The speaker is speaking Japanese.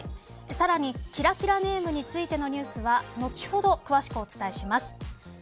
さらに、キラキラネームについてのニュースは後ほど、詳しくお伝えします。